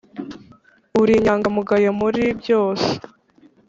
uri inyangamugayommuri byose